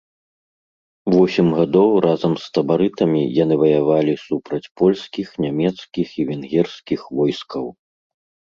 Восем гадоў разам з табарытамі яны ваявалі супраць польскіх, нямецкіх і венгерскіх войскаў.